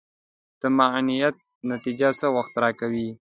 د معاینات نتیجه څه وخت راکوې؟